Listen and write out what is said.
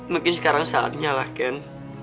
mungkin sekarang saatnya lah kan